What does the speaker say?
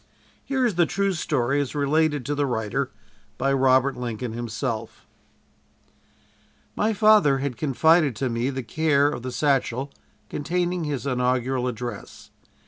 Here is the true story, as related to the writer by Robert Lincoln himself: "My father had confided to me the care of the satchel containing his inaugural address.